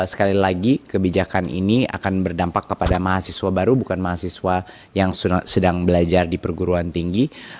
sekali lagi kebijakan ini akan berdampak kepada mahasiswa baru bukan mahasiswa yang sedang belajar di perguruan tinggi